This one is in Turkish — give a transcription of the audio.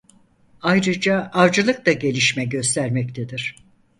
Ayrıca avcılık da gelişme göstermektedir.